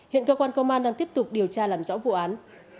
hiện cơ quan công an đang tiếp tục điều tra làm rõ vụ án